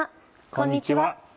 こんにちは。